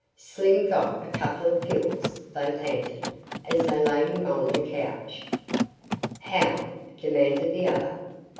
"Slim got a couple of pills," they panted, as they laid him on a couch. "How?" demanded the other.